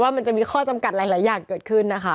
มันจะมีข้อจำกัดหลายอย่างเกิดขึ้นนะคะ